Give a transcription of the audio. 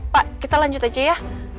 pak kita lanjut aja ya